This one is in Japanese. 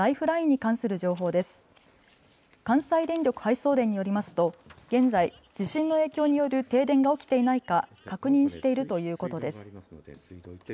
関西電力配送電によりますと現在、地震の影響による停電が起きていないか確認しているということです。